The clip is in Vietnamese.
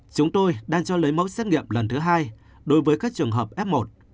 chúng tôi đang cho lấy mẫu xét nghiệm lần thứ hai đối với các trường hợp f một